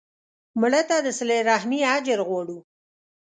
مړه ته د صله رحمي اجر غواړو